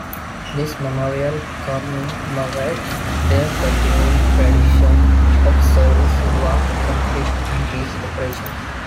This memorial commemorates their continuing tradition of service, in war, conflict and peace operations.